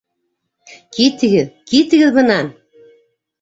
Китегеҙ, китегеҙ бынан!